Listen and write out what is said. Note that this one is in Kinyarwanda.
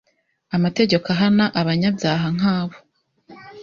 amategeko ahana abanyabyaha nkabo